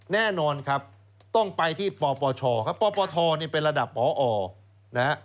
แน่นอนครับต้องไปที่ปปชครับปปทนี่เป็นระดับปอนะฮะ